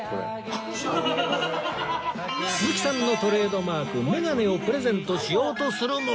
鈴木さんのトレードマークメガネをプレゼントしようとするも